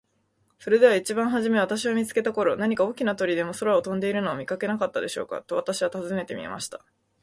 「それでは一番はじめ私を見つけた頃、何か大きな鳥でも空を飛んでいるのを見かけなかったでしょうか。」と私は尋ねてみました。